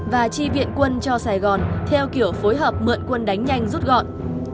và chi viện quân cho sài gòn theo kiểu phối hợp mượn quân đánh nhanh rút gọn